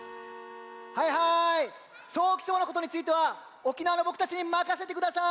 はいはいソーキそばのことについては沖縄のボクたちにまかせてください！